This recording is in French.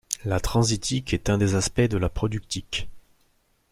La transitique est un des aspects de la productique.